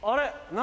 何？